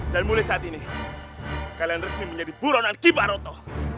dan mulai saat ini kalian resmi menjadi buronan kibaroto